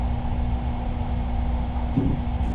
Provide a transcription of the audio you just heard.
Son nativas del este y el sureste de Asia.